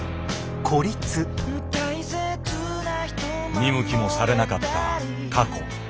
見向きもされなかった過去。